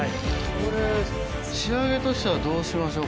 これ仕上げとしてはどうしましょう？